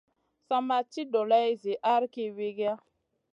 Sa ma ci dolay zi ahrki wiykiya.